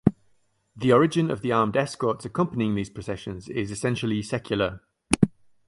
The origin of the armed escorts accompanying these processions is essentially secular.